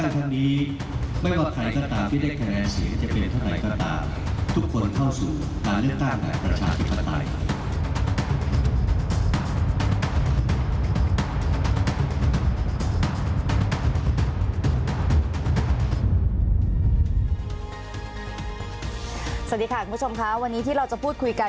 สวัสดีค่ะคุณผู้ชมค่ะวันนี้ที่เราจะพูดคุยกัน